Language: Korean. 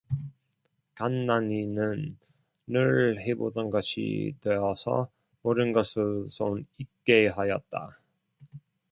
간난이는 늘 해보던 것이 되어서 모든 것을 손익게 하였다.